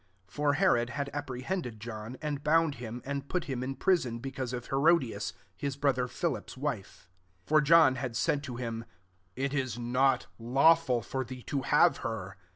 3 (For Herod had apprehended John, and bound him, and put him in prison, because of He rodias, his brother Philip's wife. 4 For John had said to him *< It is not lawful for thee to have her."